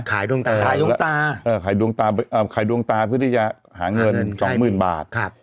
ขายดวงตาขายดวงตาเพื่อที่จะหาเงิน๒๐๐๐๐บาท